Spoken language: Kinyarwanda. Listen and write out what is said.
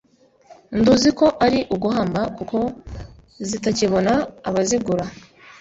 nduzi ko ari uguhamba kuko zitakibona abazigura».